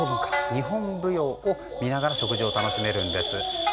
日本舞踊を見ながら食事を楽しめるんです。